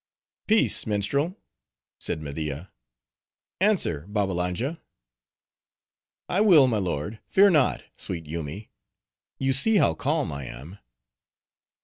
"Peace, minstrel!" said Media. "Answer, Babbalanja." "I will, my lord. Fear not, sweet Yoomy; you see how calm I am.